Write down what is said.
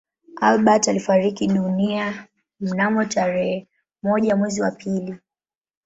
Albert alifariki dunia mnamo tarehe moja mwezi wa pili